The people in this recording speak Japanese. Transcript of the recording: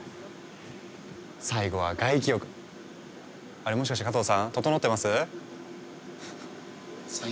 あれもしかして加藤さんととのってます？